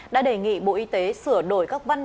đã đề nghị bộ y tế sửa đổi các vấn đề